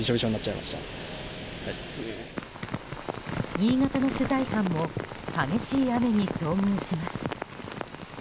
新潟の取材班も激しい雨に遭遇します。